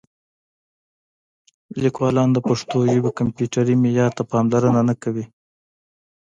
لیکوالان د پښتو ژبې کمپیوټري معیار ته پاملرنه نه کوي.